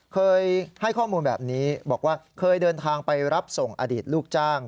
เคยให้ข้อมูลแบบนี้บอกว่าเคยเดินทางไปรับส่งอดีตลูกจ้าง